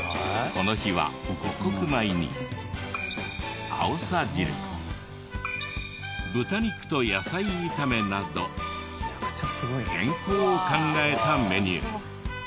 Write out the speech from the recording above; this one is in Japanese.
この日は五穀米にあおさ汁豚肉と野菜炒めなど健康を考えたメニュー。